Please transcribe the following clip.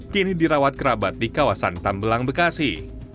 kini dirawat kerabat di kawasan tambelang bekasi